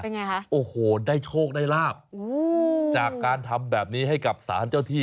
ไงคะโอ้โหได้โชคได้ลาบอืมจากการทำแบบนี้ให้กับสารเจ้าที่